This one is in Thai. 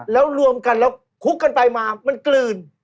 แล้วรวมกันแล้วคุกกันไปมามันกลื่น